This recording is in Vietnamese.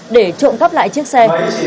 để trộm cắp lại chiếc xe